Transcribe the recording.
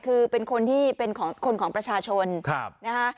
คือเป็นคนที่เป็นคนของประชาชนนะคะ